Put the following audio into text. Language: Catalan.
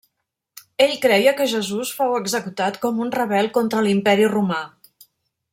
Ell creia que Jesús fou executat com un rebel contra l'Imperi Romà.